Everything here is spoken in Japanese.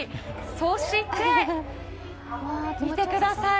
そして、見てください